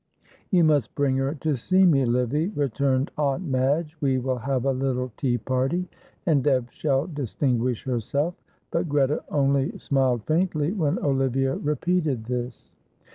"You must bring her to see me, Livy," returned Aunt Madge. "We will have a little tea party, and Deb shall distinguish herself," but Greta only smiled faintly when Olivia repeated this.